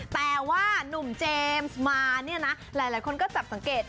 แต่ว่านุ่มเจมส์มาเนี่ยนะหลายคนก็จับสังเกต